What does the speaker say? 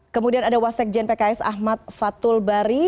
kemudian ada wasek jnpks ahmad fatul bari